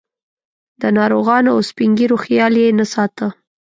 د ناروغانو او سپین ږیرو خیال یې نه ساته.